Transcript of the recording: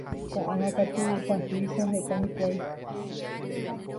ko'ág̃a katu tahýicha heta hikuái.